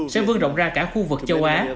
sẽ vươn rộng ra cả khu vực châu á